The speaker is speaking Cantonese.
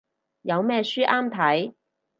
有咩書啱睇